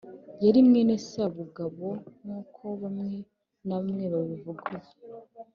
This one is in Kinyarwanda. yari mwene sabugabo nk'uko bamwe na bamwe babivuga ubu.